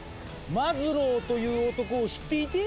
マズローという男を知っていて？